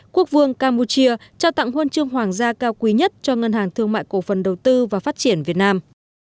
quốc vương campuchia trao tặng huân chương hoàng gia cao quý nhất cho ngân hàng thương mại cổ phần đầu tư và phát triển việt nam